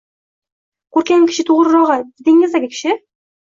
Ko`rkam kishi, to`g`rirog`i, didingizdagi kishi